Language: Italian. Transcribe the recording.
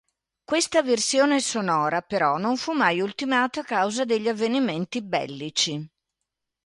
Questa versione sonora però non fu mai ultimata a causa degli avvenimenti bellici.